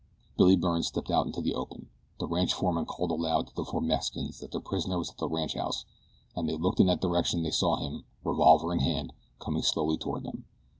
Billy Byrne stepped out into the open. The ranch foreman called aloud to the four Mexicans that their prisoner was at the ranchhouse and as they looked in that direction they saw him, revolver in hand, coming slowly toward them.